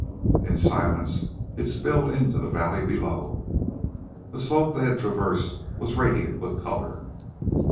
In silence it spilled into the valley below. The slope they had traversed was radiant with color.